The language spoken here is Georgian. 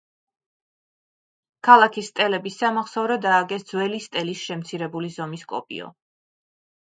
ქალაქის სტელების სამახსოვროდ ააგეს ძველი სტელის შემცირებული ზომის კოპიო.